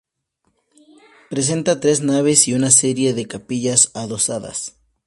Presenta tres naves y una serie de capillas adosadas.